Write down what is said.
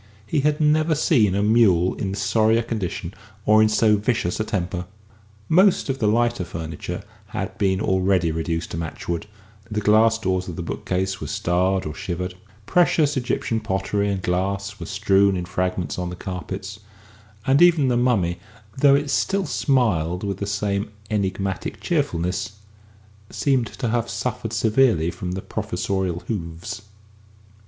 He had never seen a mule in sorrier condition or in so vicious a temper. Most of the lighter furniture had been already reduced to matchwood; the glass doors of the bookcase were starred or shivered; precious Egyptian pottery and glass were strewn in fragments on the carpets, and even the mummy, though it still smiled with the same enigmatic cheerfulness, seemed to have suffered severely from the Professorial hoofs.